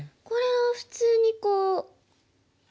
これは普通にこう。